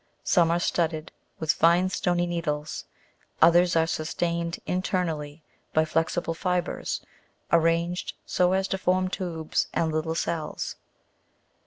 some are studded with fine stony needles ; others are sustained internally by flexible fibres, arranged so as to form tubes and little cells.